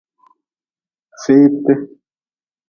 Feeti.